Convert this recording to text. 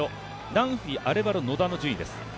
ダンフィー、アレバロ、野田の順番です。